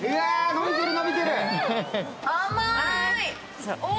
伸びてる伸びてる。